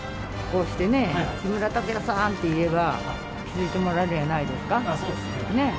こうしてね、木村拓哉さんって言えば、気付いてもらえるんやないですか。